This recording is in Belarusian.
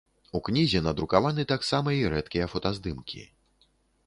У кнізе надрукаваны таксама і рэдкія фотаздымкі.